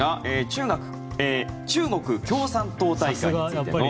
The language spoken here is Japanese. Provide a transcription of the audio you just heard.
中国共産党大会についての。